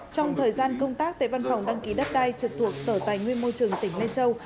trong thời gian công tác tại văn phòng đăng ký đất đai trực thuộc sở tài nguyên môi trường tỉnh lai châu